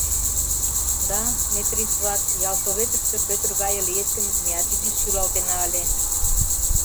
— Да, Метри сват... ялсоветыште Пӧтыр гае лийыт гын, меат изиш шӱлалтена ыле.